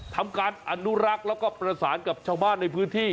ทำการอนุรักษ์แล้วก็ประสานกับชาวบ้านในพื้นที่